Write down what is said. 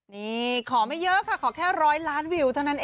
นี่ขอไม่เยอะค่ะขอแค่๑๐๐ล้านวิวเท่านั้นเอง